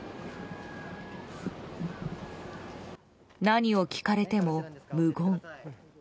何を聞かれても無言。